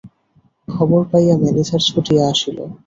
খবর পাইয়া ম্যানেজার ছুটিয়া আসিল।